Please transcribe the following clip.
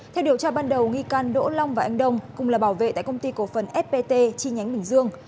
theo điều tra ban đầu nghi can đỗ long và anh đông cùng là bảo vệ tại công ty cổ phần fpt chi nhánh bình dương